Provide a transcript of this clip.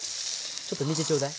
ちょっと見てちょうだい。